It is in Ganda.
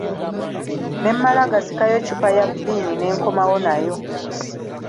Ne mmala gasikayo ccupa ya vviini ne nkomawo nayo.